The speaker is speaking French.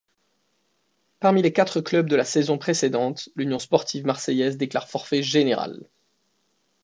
Parmi les quatre clubs de la saison précédente, l'Union sportive marseillaise déclare forfait général.